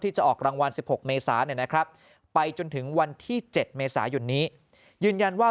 จะออกรางวัล๑๖เมษาไปจนถึงวันที่๗เมษายนนี้ยืนยันว่า